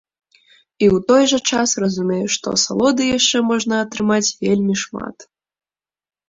І ў той жа час разумееш, што асалоды яшчэ можна атрымаць вельмі шмат.